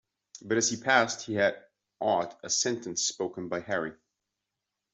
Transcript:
But as he passed he had aught a sentence spoken by Harry.